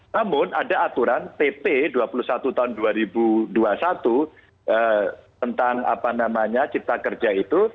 namun ada aturan pp dua puluh satu tahun dua ribu dua puluh satu tentang apa namanya cipta kerja itu